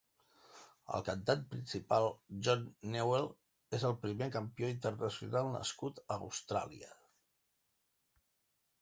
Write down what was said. El cantant principal John Newell és el primer campió internacional nascut a Austràlia.